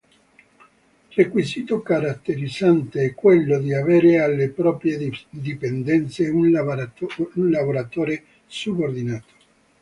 Requisito caratterizzante è quello di avere alle proprie dipendenze un lavoratore subordinato.